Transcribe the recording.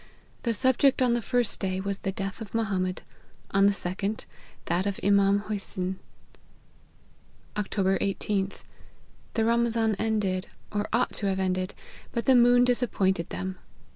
The subject on the first day was the death of Mohammed ; on the second, that of Iman Hosyn." " Oct. 18th. " The Ramazan ended, or ought to have ended, but the moon disappointed them.